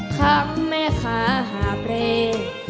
ทั้งแม่ขาหาเพลง